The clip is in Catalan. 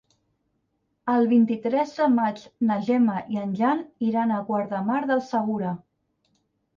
El vint-i-tres de maig na Gemma i en Jan iran a Guardamar del Segura.